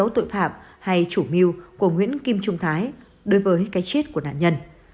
tội phạm hay chủ mưu của nguyễn kim trung thái đối với cái chết của nạn nhân